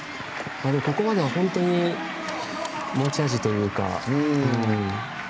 ここまでは本当に持ち味というか。